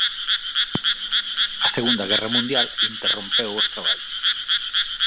A Segunda Guerra Mundial interrompeu os traballos.